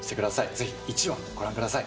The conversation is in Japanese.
ぜひ１話、ご覧ください。